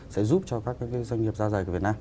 sẽ giúp cho các doanh nghiệp da dày của việt nam